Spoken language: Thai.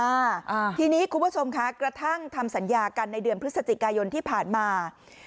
อ่าทีนี้คุณผู้ชมคะกระทั่งทำสัญญากันในเดือนพฤศจิกายนที่ผ่านมา